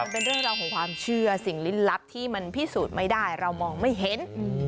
เป็นเรื่องราวของความเชื่อสิ่งลิ้นลับที่มันพิสูจน์ไม่ได้เรามองไม่เห็น